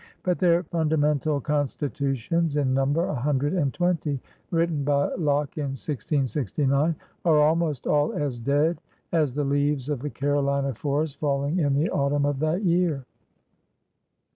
But their Funda mental Constitutions, ''in number a hundred and twenty, written by Locke in 1669, are almost all as dead as the leaves of the Carolina forest falling in the autumn of that year.